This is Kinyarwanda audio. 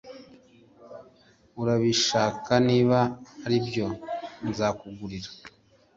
Urabishaka Niba aribyo nzakugurira